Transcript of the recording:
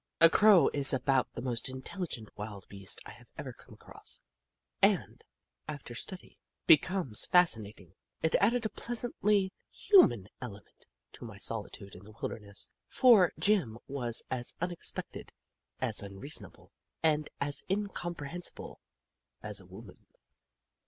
A Crow is about the most intelligent wild beast I have ever come across, and, after study, becomes fascinating. It added a pleasantly human element to my solitude in the wilderness, for Jim was as unexpected, as unreasonable, and as incomprehensible as a woman.